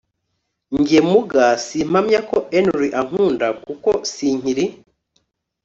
Njye muga simpamya ko Henry ankunda kuko sinkiri